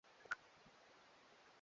Mukatanga swahili inaanza potea